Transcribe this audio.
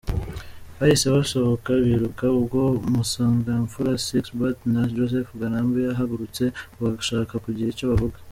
Bahise basohoka biruka ubwo Musangamfura Sixbert na Joseph Ngarambe bahagurutse bashaka kugira icyo bavuga.